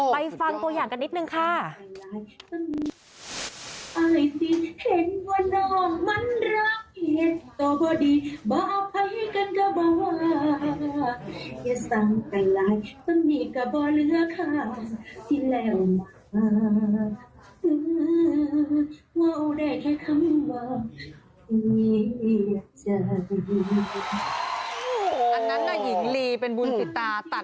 ไปฟังตัวอย่างกันนิดนึงค่ะ